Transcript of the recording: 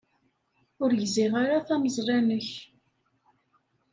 Ur gziɣ ara tameẓla-nnek.